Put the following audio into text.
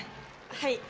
はい。